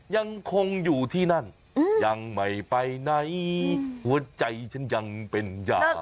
ยังคงอยู่ที่นั่นยังไม่ไปไหนหัวใจฉันยังเป็นยา